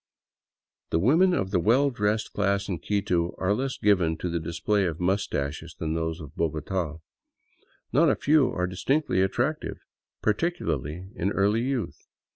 " The women of the well dressed class in Quito are less given to the display of mustaches than those of Bogota. Not a few are distinctly attractive, particularly in early youth.